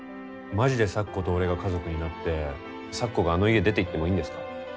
まじで咲子と俺が家族になって咲子があの家出て行ってもいいんですか？